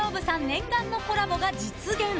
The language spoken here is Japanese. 念願のコラボが実現。